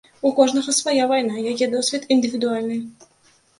У кожнага свая вайна, яе досвед індывідуальны.